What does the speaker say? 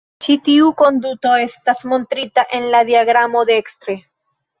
Ĉi tiu konduto estas montrita en la diagramo dekstre.